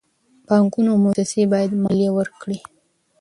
بانکونه او موسسې باید مالیه ورکړي.